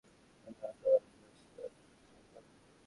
সুতরাং তোমরা উভয়ে তোমাদের প্রতিপালকের কোন অনুগ্রহ অস্বীকার করবে?